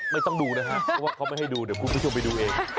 ไม่ต้องดูนะฮะเพราะว่าเขาไม่ให้ดูเดี๋ยวคุณผู้ชมไปดูเอง